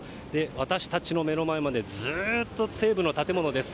私たちの目の前まで、ずっと西武の建物です。